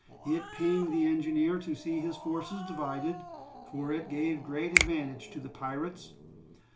It pained the engineer to see his forces divided, for it gave great advantage to the pirates.